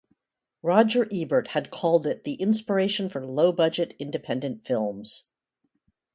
Roger Ebert had called it the inspiration for low budget independent films.